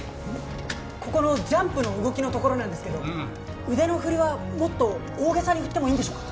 ここのジャンプの動きのところなんですけど腕の振りはもっと大げさに振ってもいいんでしょうか？